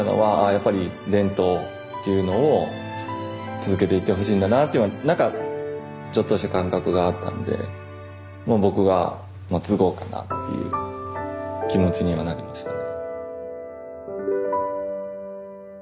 やっぱり伝統っていうのを続けていってほしいんだなっていうのは何かちょっとした感覚があったんでもう僕は継ごうかなっていう気持ちにはなりましたね。